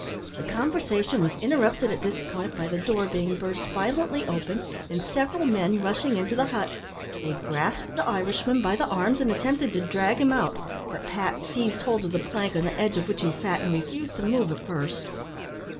The conversation was interrupted at this point by the door being burst violently open, and several men rushing into the hut. They grasped the Irishman by the arms, and attempted to drag him out, but Pat seized hold of the plank, on the edge of which he sat, and refused to move at first.